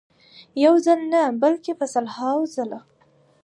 یو ځل نه بلکې په سلهاوو ځله.